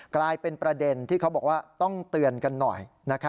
กลายเป็นประเด็นที่เขาบอกว่าต้องเตือนกันหน่อย